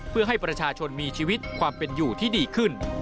เพื่อให้ประชาชนมีชีวิตความเป็นอยู่ที่ดีขึ้น